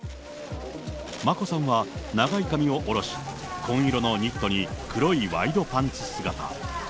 眞子さんは長い髪を下ろし、紺色のニットに黒いワイドパンツ姿。